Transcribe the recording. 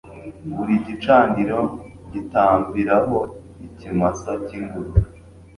buri gicaniro ngitambiraho ikimasa kingurube